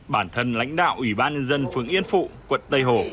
bản thân lãnh đạo ủy ban nhân dân phường yên phụ quận tây hồ